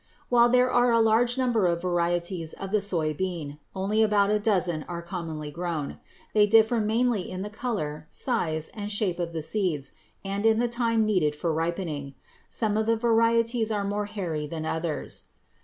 While there are a large number of varieties of the soy bean, only about a dozen are commonly grown. They differ mainly in the color, size, and shape of the seeds, and in the time needed for ripening. Some of the varieties are more hairy than others.